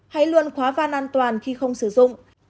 hãy luôn khóa van an toàn khi không sử dụng